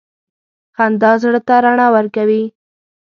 • خندا زړه ته رڼا ورکوي.